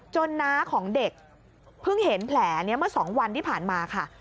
น้าของเด็กเพิ่งเห็นแผลนี้เมื่อ๒วันที่ผ่านมาค่ะ